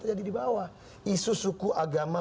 terjadi di bawah isu suku agama